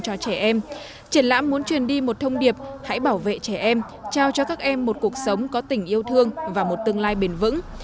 triển lãm muốn truyền đi một thông điệp hãy bảo vệ trẻ em trao cho các em một cuộc sống có tình yêu thương và một tương lai bền vững